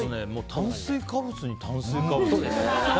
炭水化物に炭水化物で。